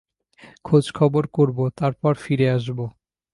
খোঁজখবর করব, তারপর ফিরে আসব।